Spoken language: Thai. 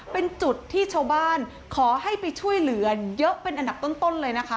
เป็นจุดที่ชาวบ้านขอให้ไปช่วยเหลือเยอะเป็นอันดับต้นเลยนะคะ